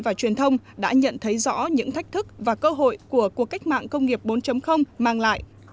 và truyền thông đã nhận thấy rõ những thách thức và cơ hội của cuộc cách mạng công nghiệp bốn mang lại